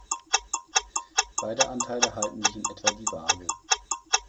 Beide Anteile halten sich in etwa die Waage.